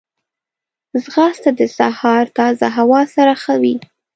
ځغاسته د سهار تازه هوا سره ښه وي